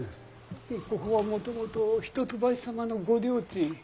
ここはもともと一橋様のご領地。